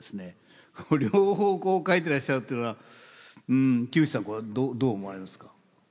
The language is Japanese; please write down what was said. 両方書いていらっしゃるというのは木内さんこれどう思われますか？